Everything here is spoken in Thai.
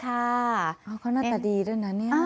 เขาน่าตาดีด้วยนะนี่